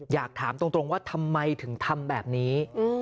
อยากถามตรงว่าทำไมถึงทำแบบนี้